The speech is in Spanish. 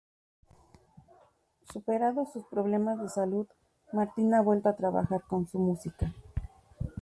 Superados sus problemas de salud, Martín ha vuelto a trabajar con su música.